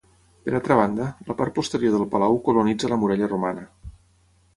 Per altra banda, la part posterior del palau colonitza la muralla romana.